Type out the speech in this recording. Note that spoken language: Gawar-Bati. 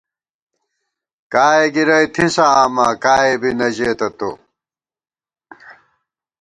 کائے گِرَئی تھِسہ آما کائے بی نہ ژېتہ تو